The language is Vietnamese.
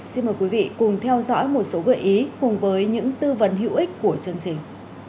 xin mời quý vị cùng theo dõi một số gợi ý cùng với những tư vấn hữu ích của chương trình